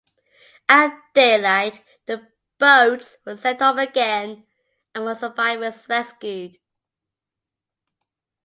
At daylight the boats were sent off again and more survivors rescued.